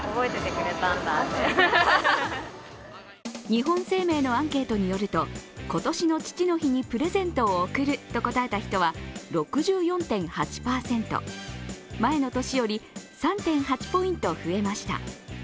日本生命のアンケートによると今年の父の日にプレゼントを贈ると答えた人は６４．８％、前の年より３．８ポイント増えました